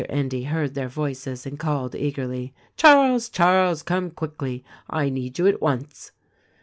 Endy heard their voices and called eagerly, "Charles, Charles, come quickly. I need you at once."